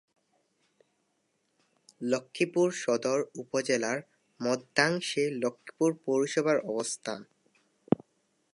লক্ষ্মীপুর সদর উপজেলার মধ্যাংশে লক্ষ্মীপুর পৌরসভার অবস্থান।